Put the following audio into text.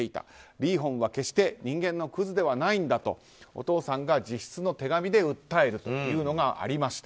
リーホンは決して人間のクズではないんだとお父さんが自筆の手紙で訴えるというのがありました。